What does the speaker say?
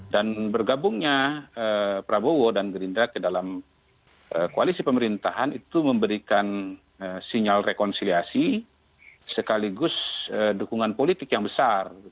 dan bergabungnya prabowo dan gerindra ke dalam koalisi pemerintahan itu memberikan sinyal rekonsiliasi sekaligus dukungan politik yang besar